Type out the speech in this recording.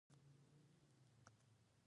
شیخ مجید او طارق ورسره په عربي ژبه وغږېدل.